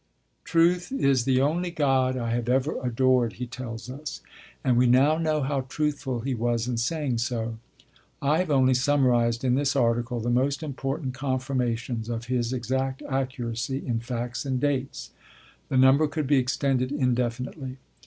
'Truth is the only God I have ever adored,' he tells us: and we now know how truthful he was in saying so. I have only summarised in this article the most important confirmations of his exact accuracy in facts and dates; the number could be extended indefinitely.